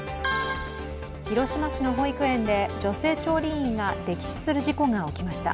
広島市の保育園で女性調理員が溺死する事故が起きました。